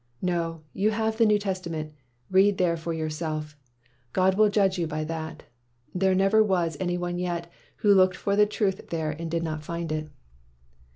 No, you have the New Testament ; read there for yourself. God will judge you by that. There never was any one yet who looked for the truth there and did not find it.'